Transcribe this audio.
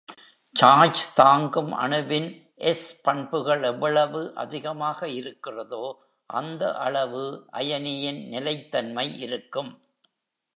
சார்ஜ்-தாங்கும் அணுவின் s- பண்புகள் எவ்வளவு அதிகமாக இருக்கிறதோ, அந்த அளவுஅயனியின் நிலைத்தன்மை இருக்கும்.